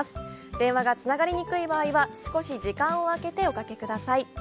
電話がつながりにくい場合は少し時間を空けておかけください。